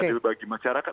adil bagi masyarakat